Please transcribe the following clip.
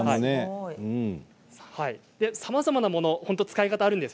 さまざまなもの使い方があるんです。